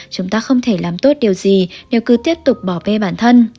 chúng ta không thể làm tốt điều gì nếu cứ tiếp tục bỏ bê bản thân